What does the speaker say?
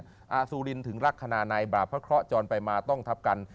อาสุรินถึงลักษณะในบาปพระเคราะห์จรไปมาต้องทับกัน